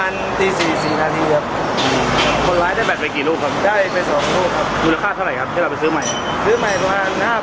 ในสุดท้ายก็สามารถทำในสุดท้าย